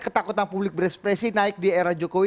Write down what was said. ketakutan publik berekspresi naik di era jokowi